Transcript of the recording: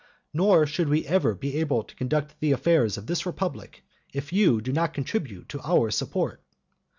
Nor should we ever be able to conduct the affairs of this republic, if you did not contribute to our support.